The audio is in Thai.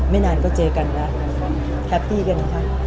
ไม่นานก็เจอกันละแฮปปี้กันค่ะ